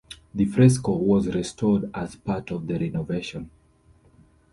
The fresco was restored as part of the renovation.